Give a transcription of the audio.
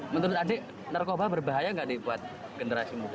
menurut adik narkoba berbahaya nggak nih buat generasi muda